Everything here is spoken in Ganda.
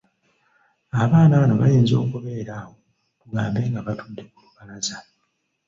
Abaana bano bayinza okubeera awo tugambe nga batudde ku lubalaza.